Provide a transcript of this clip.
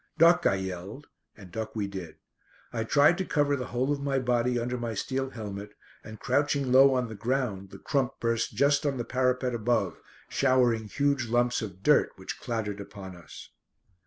"Duck," I yelled, and duck we did. I tried to cover the whole of my body under my steel helmet, and crouching low on the ground, the crump burst just on the parapet above, showering huge lumps of dirt which clattered upon us.